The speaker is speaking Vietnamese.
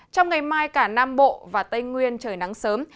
trong ngày mai cả nam bộ và tây nguyên trời nắng sớm